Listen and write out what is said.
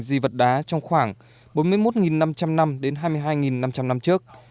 di vật đá trong khoảng bốn mươi một năm trăm linh năm đến hai mươi hai năm trăm linh năm trước